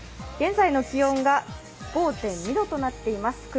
現在の気温が５．２度となっています